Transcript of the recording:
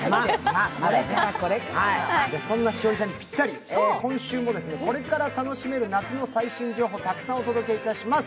そんな栞里ちゃんにぴったり、今週もこれから楽しめる夏の最新情報をたくさんお届けいたします。